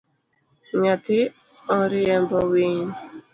Nyathi oriembo winy